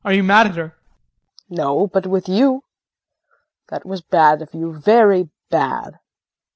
No, but with you. That was bad of you, very bad.